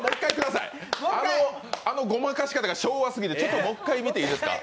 あのごまかし方、昭和過ぎて見ていいですか。